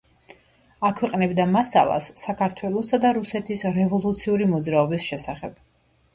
აქვეყნებდა მასალას საქართველოსა და რუსეთის რევოლუციური მოძრაობის შესახებ.